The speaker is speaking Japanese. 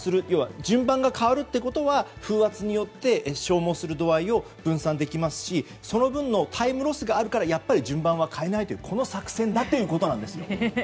要は順番が変わるということは風圧によって消耗する度合いを分散できますしその分のタイムロスがあるからやっぱり順番は変えないというこの作戦だということなんです。